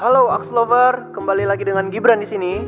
halo axnovar kembali lagi dengan gibran di sini